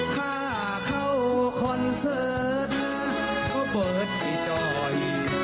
ถ้าเข้าคอนเสิร์ตนะก็เปิดให้จอย